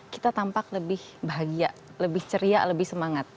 kita tampak lebih bahagia lebih ceria lebih semangat